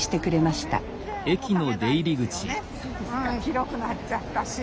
広くなっちゃったし。